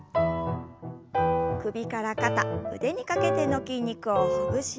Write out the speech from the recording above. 首から肩腕にかけての筋肉をほぐしながら軽く。